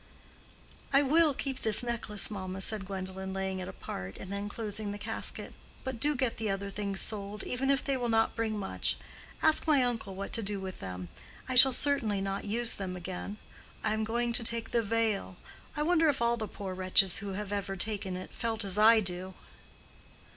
"I will keep this necklace, mamma," said Gwendolen, laying it apart and then closing the casket. "But do get the other things sold, even if they will not bring much. Ask my uncle what to do with them. I shall certainly not use them again. I am going to take the veil. I wonder if all the poor wretches who have ever taken it felt as I do."